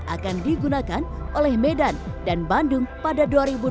akan digunakan oleh medan dan bandung pada dua ribu dua puluh